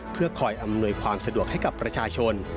เพื่อคอยอำนวยความสะดวกให้กับประชาชน